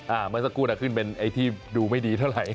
เมื่อสักครู่นะขึ้นเป็นไอ้ที่ดูไม่ดีเท่าไหร่